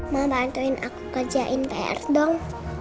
mau bantuin aku kerjain prs dong